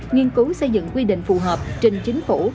nghiên cứu xây dựng quy định phù hợp trình chính phủ